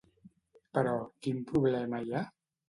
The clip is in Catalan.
Però quin problema hi ha?